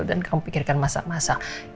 dan kamu pikirkan masa masa